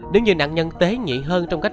nếu như nạn nhân tế nhị hơn trong cách